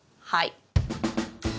はい。